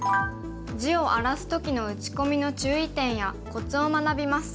地を荒らす時の打ち込みの注意点やコツを学びます。